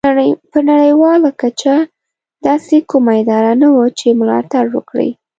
په نړیواله کچه داسې کومه اداره نه وه چې ملاتړ وکړي.